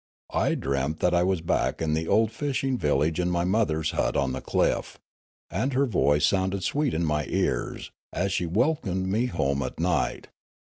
I dreamt that I was back in the old fishing village in my mother's hut on the cliff ; and her voice sounded sweet in my ears, as she welcomed me home at night.